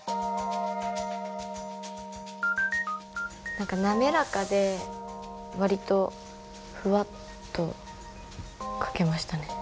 何か滑らかで割とふわっと書けましたね。